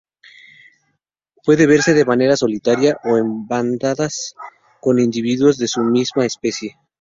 Puede verse de manera solitaria o en bandadas con individuos de su misma especie.